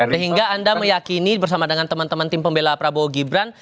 sehingga anda meyakini bersama dengan teman teman tim pembela prabowo gibran